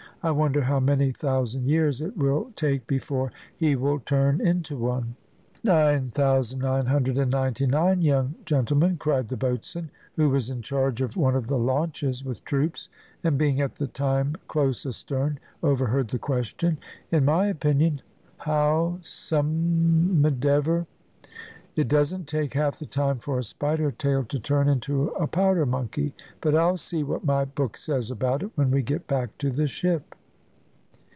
I wonder how many thousand years it will take before he will turn into one?" "Nine thousand nine hundred and ninety nine, young gentlemen!" cried the boatswain, who was in charge of one of the launches with troops, and, being at the time close astern, overheard the question. "In my opinion, howsomedever, it doesn't take half that time for a spider tail to turn into a powder monkey; but I'll see what my book says about it when we get back to the ship."